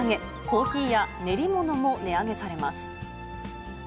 コーヒーや練り物も値上げされます。